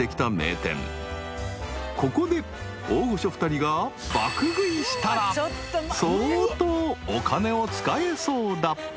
［ここで大御所２人が爆食いしたら相当お金を使えそうだ］